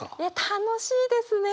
楽しいですね！